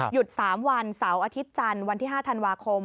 ๓วันเสาร์อาทิตย์จันทร์วันที่๕ธันวาคม